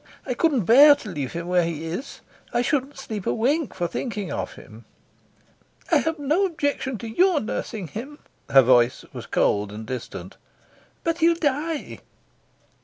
I couldn't bear to leave him where he is. I shouldn't sleep a wink for thinking of him." "I have no objection to your nursing him." Her voice was cold and distant. "But he'll die."